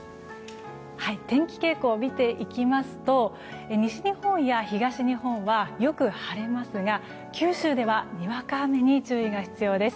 天気傾向を見ていきますと西日本や東日本はよく晴れますが、九州ではにわか雨に注意が必要です。